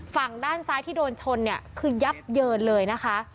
ฝั่งด้านซ้ายที่โดนชนเนี่ยคือยับเยินเลยนะคะ